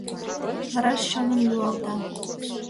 Вараш чоным йӱлалта.